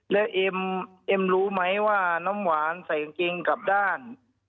แล้วเอ็มเอ็มรู้ไหมว่าน้ำหวานใส่กางเกงกลับด้าน